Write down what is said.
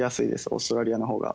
オーストラリアのほうが。